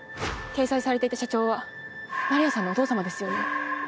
掲載されていた社長は丸谷さんのお父様ですよね？